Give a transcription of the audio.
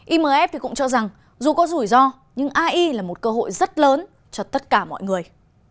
imf cũng cho rằng dù có rủi ro nhưng ai là một cơ hội rất lớn cho tất cả mọi người